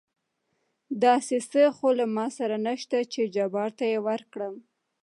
داسې څه خو له ما سره نشته چې جبار ته يې ورکړم.